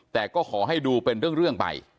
แต่ก็ขอให้ดูเป็นเรื่องไป